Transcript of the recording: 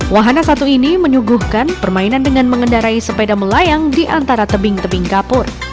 wahana satu ini menyuguhkan permainan dengan mengendarai sepeda melayang di antara tebing tebing kapur